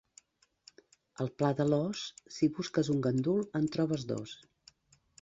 Al Pla de l'Os, si busques un gandul, en trobes dos.